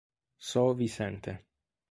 São Vicente